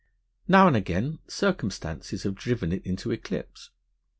Now and again circumstances have driven it into eclipse.